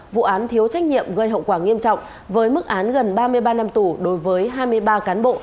vụ án thiếu trách nhiệm gây hậu quả nghiêm trọng với mức án gần ba mươi ba năm tù đối với hai mươi ba cán bộ